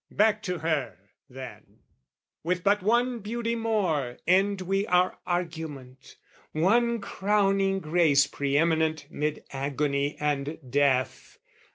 Back to her, then, with but one beauty more, End we our argument, one crowning grace Pre eminent 'mid agony and death.